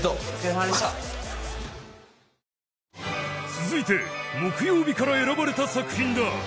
続いて木曜日から選ばれた作品だ